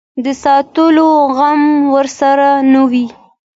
د ساتلو غم ورسره نه وي.